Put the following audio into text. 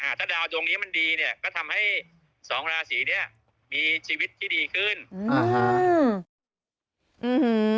ถ้าดาวดวงนี้มันดีเนี้ยก็ทำให้สองราศีเนี้ยมีชีวิตที่ดีขึ้นอืม